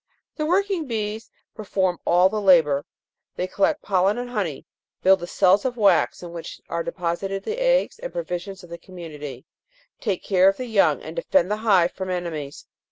The working bees perform all the labour ; they collect pollen and honey, build the cells of wax in which are deposited the eggs and provisions of the community, take care of the young and defend the hive from ene mies.